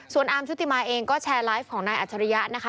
ส่วนอาร์มชุติมาเองก็แชร์ไลฟ์ของนายอัจฉริยะนะคะ